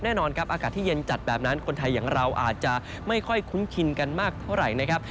แน่นอนครับอากาศที่เย็นจัดแบบนั้นคนไทยอย่างเราอาจจะไม่ค่อยคุ้นชินกันมากเท่าไหร่นะครับ